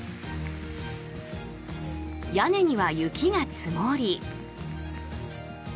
屋根には雪が積もり。